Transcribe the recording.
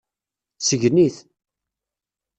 Sgen-it.